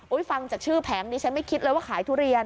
ฟังจากชื่อแผงนี้ฉันไม่คิดเลยว่าขายทุเรียน